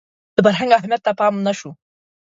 د فرهنګ اهمیت ته پام نه شو